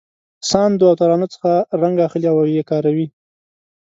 ساندو او ترانو څخه رنګ اخلي او یې کاروي.